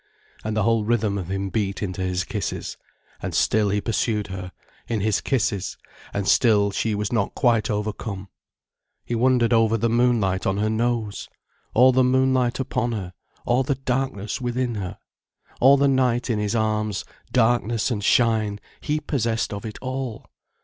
And the whole rhythm of him beat into his kisses, and still he pursued her, in his kisses, and still she was not quite overcome. He wondered over the moonlight on her nose! All the moonlight upon her, all the darkness within her! All the night in his arms, darkness and shine, he possessed of it all!